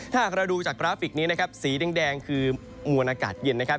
ถ้าหากเราดูจากกราฟิกนี้นะครับสีแดงคือมวลอากาศเย็นนะครับ